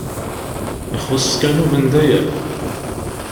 Ixuṣṣ kan ubendayer.